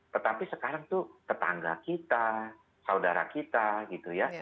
tetapi sekarang tuh tetangga kita saudara kita gitu ya